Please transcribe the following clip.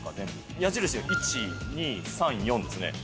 矢印が１、２、３、４ですね。